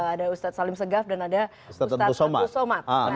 ada ustadz salim segaf dan ada ustadz abdul somad